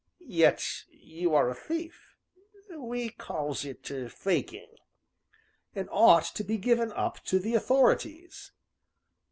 "Yet you are a thief!" "We calls it 'faking.'" "And ought to be given up to the authorities."